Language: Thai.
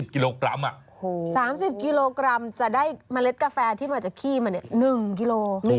๓๐กิโลกรัมจะได้เมล็ดกาแฟที่มาจากขี้มันเนี่ย๑กิโล